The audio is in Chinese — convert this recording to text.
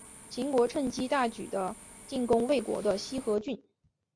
秦国趁机大举的进攻魏国的西河郡。